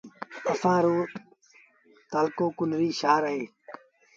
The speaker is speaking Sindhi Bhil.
اسآݩ رو تآلڪو ڪنريٚ شآهر اهي